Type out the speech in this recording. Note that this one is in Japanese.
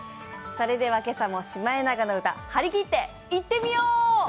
それでは今朝も「シマエナガの歌」、張り切っていってみよう！